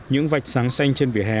những vạch sáng xanh trên vỉa hè